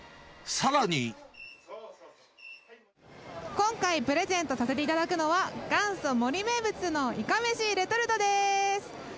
今回、プレゼントさせていただくのは、元祖森名物のいかめしレトルトです。